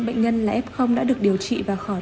bệnh nhân là f đã được điều trị và khỏi